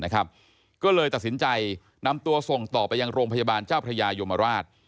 ก็เลยตัดสินใจนำตัวส่งต่อไปยังโรงพยาบาลเจ้าพระยายมราช